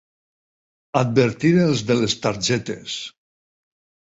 Advertir els de les targetes.